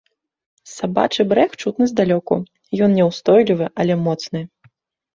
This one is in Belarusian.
Сабачы брэх чутны здалёку, ён няўстойлівы, але моцны.